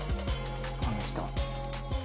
あの人。